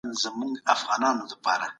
مو وه زړونه